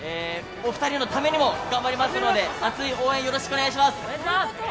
お二人のためににも頑張りますので熱い応援よろしくお願いします。